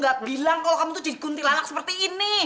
gak bilang kalau kamu tuh jadi guntilangak seperti ini